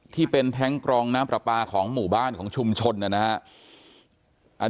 แท้งกรองน้ำปลาปลาของหมู่บ้านของชุมชนนะครับ